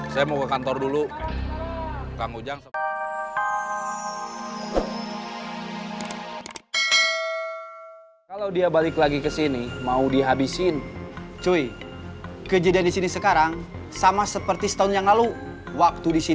saya mau ke kantor dulu